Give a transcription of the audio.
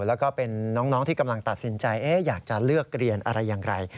แล้วก็เป็นน้องที่กำลังตัดสินใจอยากจะเลือกเรียนอะไรอย่างไร